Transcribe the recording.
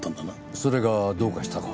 それがどうかしたか？